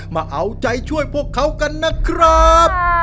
มาเอาใจช่วยพวกเขากันนะครับ